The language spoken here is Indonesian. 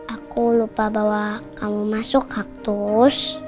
aku lupa bahwa kamu masuk kaktus